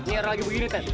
nyer lagi begini tes